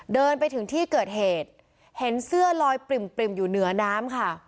เดินไปถึงที่เกิดเหตุเห็นเสื้อลอยปริ่มอยู่เหนือน้ำค่ะ